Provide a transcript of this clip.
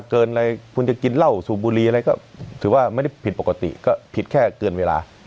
เกินอะไรคุณจะกินเหล้าสูบบุรีอะไรก็ถือว่าไม่ได้ผิดปกติก็ผิดแค่เกินเวลา